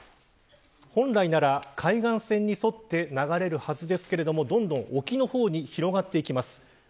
本来なら、海岸線に沿って流れるはずですがどんどん沖の方に広がっていきます。